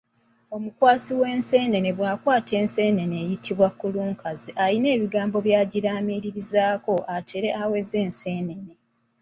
Omukwasi w'enseenene bw'akwata enseenene eyitibwa kulubazzi alina ebigambo byagiraamiriza atere aweze enseenene.